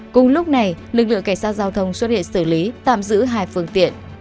cùng lúc này lực lượng cảnh sát giao thông xuất hiện xử lý tạm giữ hai phương tiện